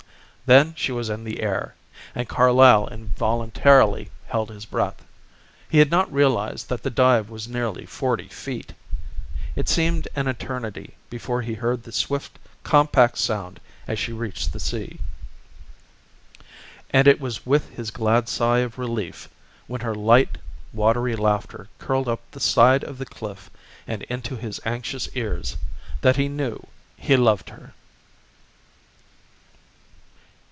Then she was in the air, and Carlyle involuntarily held his breath. He had not realized that the dive was nearly forty feet. It seemed an eternity before he heard the swift compact sound as she reached the sea. And it was with his glad sigh of relief when her light watery laughter curled up the side of the cliff and into his anxious ears that he knew he loved her.